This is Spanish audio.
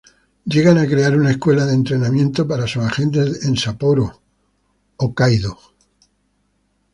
Llegan a crear una escuela de entrenamiento para sus agentes en Sapporo, Hokkaidō.